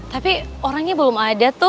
tapi orangnya belum ada tuh